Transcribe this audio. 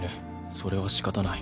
それはしかたない。